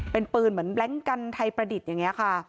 เป็นปืนเหมือนแบล็งกันไทยประดิษฐ์อย่างนี้ค่ะ